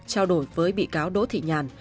trao đổi với bị cáo đỗ thị nhàn